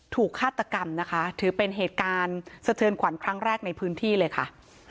ฆาตกรรมนะคะถือเป็นเหตุการณ์สะเทือนขวัญครั้งแรกในพื้นที่เลยค่ะ